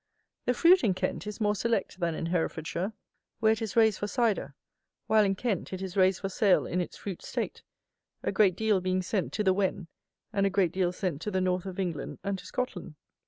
The fruit in Kent is more select than in Herefordshire, where it is raised for cyder, while, in Kent, it is raised for sale in its fruit state, a great deal being sent to the Wen, and a great deal sent to the North of England and to Scotland.